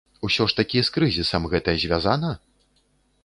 Усё ж такі з крызісам гэта звязана?